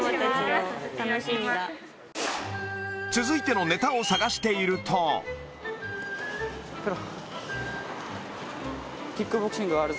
続いてのネタを探しているとペロ。